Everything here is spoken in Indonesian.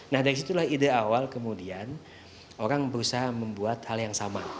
nah dari situlah ide awal kemudian orang berusaha membuat hal yang sama